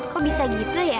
kok bisa gitu ya